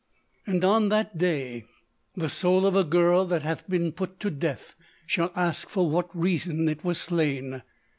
"And on that day the soul of a girl that hath been put to death shall ask for what reason it was slain.